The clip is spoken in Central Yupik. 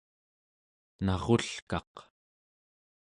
narulkaq